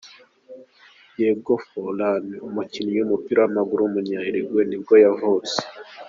Diego Forlán, umukinnyi w’umupira w’amaguru w’umunya-Uruguay nibwo yavutse.